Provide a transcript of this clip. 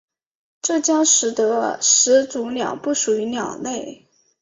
这将使得始祖鸟不属于鸟类。